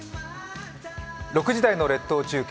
６時台の列島中継